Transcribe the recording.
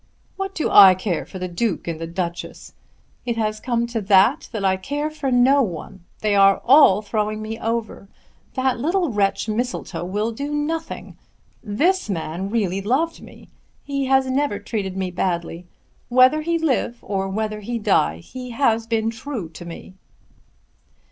"What do I care for the Duke and the Duchess. It has come to that, that I care for no one. They are all throwing me over. That little wretch Mistletoe will do nothing. This man really loved me. He has never treated me badly. Whether he live or whether he die, he has been true to me."